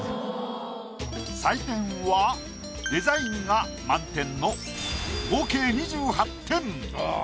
採点はデザインが満点の合計２８点。